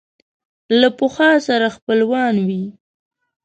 له پخوا سره خپلوان وي